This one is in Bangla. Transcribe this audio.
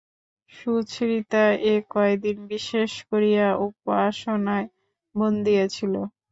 সুচরিতা এ কয়দিন বিশেষ করিয়া উপাসনায় মন দিয়াছিল।